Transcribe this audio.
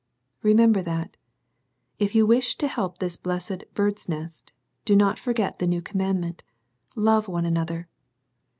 Remember that. If you wish to help this blessed "Bird's Nest," do not forget the new commandment :" Love one another."